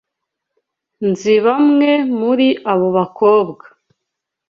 Nzi bamwe muri aba bakobwa.